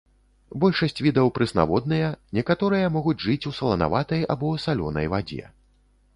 Большасць відаў прэснаводныя, некаторыя могуць жыць у саланаватай або салёнай вадзе.